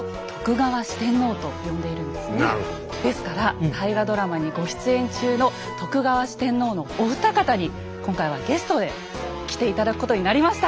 ですから大河ドラマにご出演中の徳川四天王のお二方に今回はゲストで来て頂くことになりました。